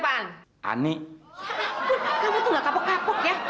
ya ampun kamu tuh nggak kapok kapok ya